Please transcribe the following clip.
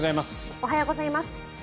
おはようございます。